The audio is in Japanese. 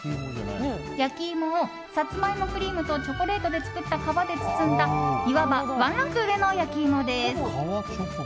焼き芋をサツマイモクリームとチョコレートで作った皮で包んだいわばワンランク上の焼き芋です。